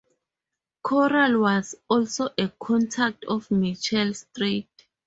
Koral was also a contact of Michael Straight.